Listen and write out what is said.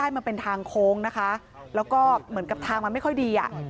มันเป็นทางโค้งนะคะแล้วก็เหมือนกับทางมันไม่ค่อยดี